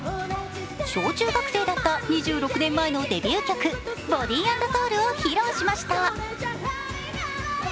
小中学生だった２６年前のデビュー曲「Ｂｏｄｙ＆Ｓｏｕｌ」を披露しました。